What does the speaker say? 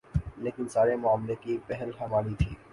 لیکن سارے معاملے کی پہل ہماری تھی۔